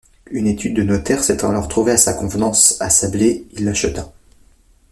Une étude de notaire s'étant alors trouvée à sa convenance, à Sablé, il l'acheta.